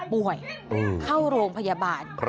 ป่วยเข้าโรงพยาบาล